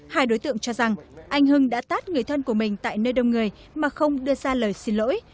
hai đối tượng cho rằng anh hưng đã tát người thân của mình tại nơi đông người mà không đưa ra lời xin lỗi